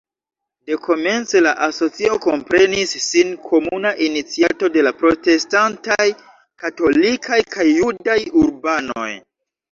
Dekomence la asocio komprenis sin komuna iniciato de la protestantaj, katolikaj kaj judaj urbanoj.